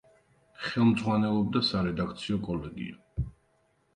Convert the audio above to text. ხელმძღვანელობდა სარედაქციო კოლეგია.